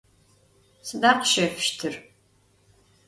Sıda khesşefıştır?